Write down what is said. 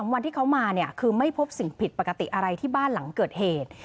วันที่เขามาเนี่ยคือไม่พบสิ่งผิดปกติอะไรที่บ้านหลังเกิดเหตุ